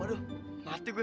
aduh mati gue